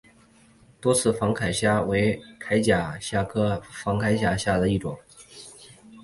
多刺仿刺铠虾为铠甲虾科仿刺铠虾属下的一个种。